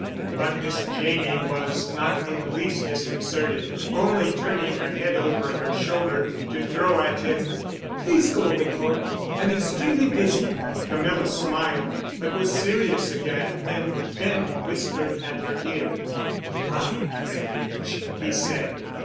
But Miss Janney was not in the least disconcerted, only turning her head over her shoulder to throw at him: "Please go away, Cort. I'm extremely busy." Camilla smiled, but was serious again when Bent whispered at her ear, "My refuge!" he said.